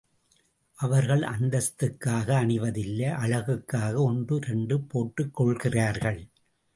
அவர்கள் அந்தஸ்துக்காக அணிவது இல்லை அழகுக்காக ஒன்று இரண்டு போட்டுக்கொள்கிறார்கள்.